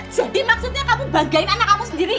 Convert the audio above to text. jadi maksudnya kamu banggain anak kamu sendiri